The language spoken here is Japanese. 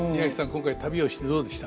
今回旅をしてどうでした？